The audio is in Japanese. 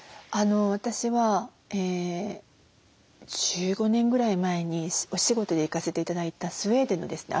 私は１５年ぐらい前にお仕事で行かせて頂いたスウェーデンのですね